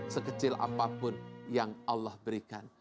sekecil apapun yang allah berikan